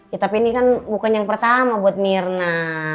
ya tapi ini kan bukan yang pertama buat mirna